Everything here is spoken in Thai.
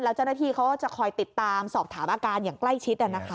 แล้วเจ้าหน้าที่เขาก็จะคอยติดตามสอบถามอาการอย่างใกล้ชิด